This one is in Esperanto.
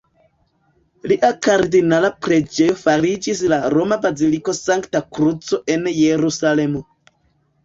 Lia kardinala preĝejo fariĝis la roma Baziliko Sankta Kruco en Jerusalemo.